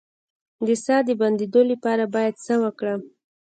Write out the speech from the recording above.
د ساه د بندیدو لپاره باید څه وکړم؟